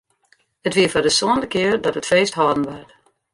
It wie foar de sânde kear dat it feest hâlden waard.